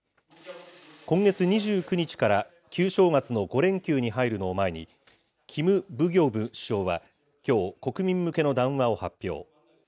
今月２９日から、旧正月の５連休に入るのを前に、キム・ブギョム首相は、きょう国民向けの談話を発表。